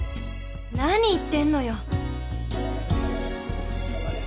何言ってんのよ。